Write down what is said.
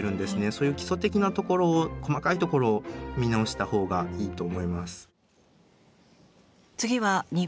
そういう基礎的なところを細かいところを見直した方がいいと思います。